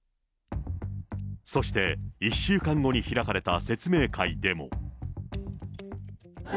そして、１週間後に開かれた説明会でも。